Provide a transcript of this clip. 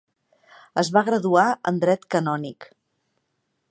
Es va graduar en dret canònic.